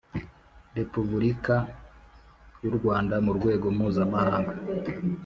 Repubulika y u Rwanda mu rwego mpuzamahanga